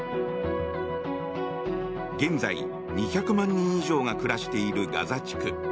現在、２００万人以上が暮らしているガザ地区。